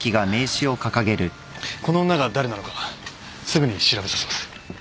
この女が誰なのかすぐに調べさせます。